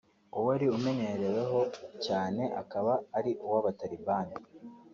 uwari umunyereweyo cyane akaba ari uw’abataliban